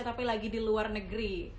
tapi lagi di luar negeri